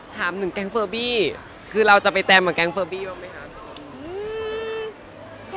ถามถึงแก๊งเฟอร์บี้คือเราจะไปแจมกับแก๊งเฟอร์บี้บ้างไหมคะ